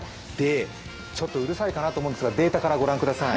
ちょっとうるさいかなと思うんですが、データからご覧ください。